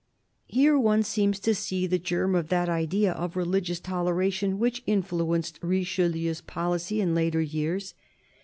Here one seems to see the germ of that idea of religious toleration which influenced Richelieu's policy in later years.